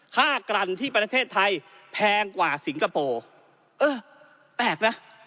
กรั่นที่ประเทศไทยแพงกว่าสิงคโปร์เออแปลกนะ